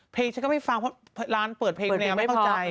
เพลงฉันก็ไม่ฟังว่าร้านเปิดเพลงแล้วไม่เข้าใจ